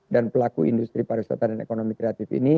dan pelaku industri pariwisata dan ekonomi kreatif ini